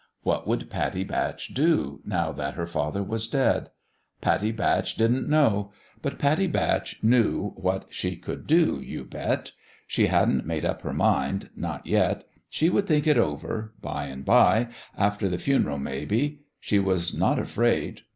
What would Pattie Batch do, now that her father was dead? Pattie Batch didn't know ; but Pattie Batch knew what she could do, you bet ! She hadn't made up her mind not yet. She would think it over by and by after the fun'l, maybe. She was not afraid.